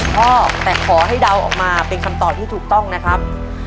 พ่อแต่ขอให้เดาออกมาเป็นคำตอบที่ถูกต้องนะครับ